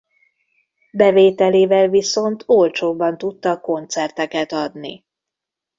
Bevételével viszont olcsóbban tudtak koncerteket adni.